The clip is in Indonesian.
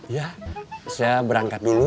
ya saya berangkat dulu